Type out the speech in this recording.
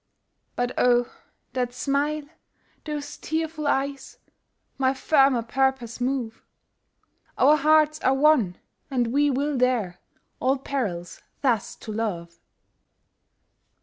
But oh, that smile those tearful eyes, My firmer purpose move Our hearts are one, and we will dare All perils thus to love!